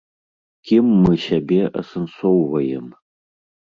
Кім мы сябе асэнсоўваем?